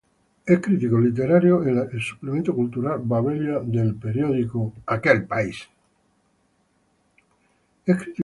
Es crítico literario en el suplemento cultural "Babelia" del periódico "El País".